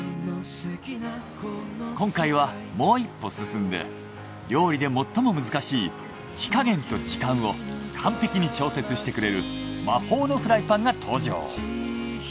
今回はもう一歩進んで料理で最も難しい火加減と時間を完璧に調節してくれる魔法のフライパンが登場。